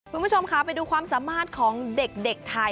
คุณผู้ชมค่ะไปดูความสามารถของเด็กไทย